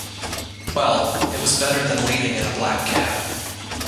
Well... it was better than leaving in a black cab.